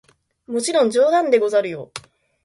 もちろん冗談でござるよ！